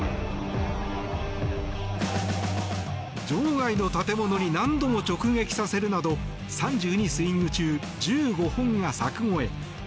場外の建物に何度も直撃させるなど３２スイング中１５本が柵越え。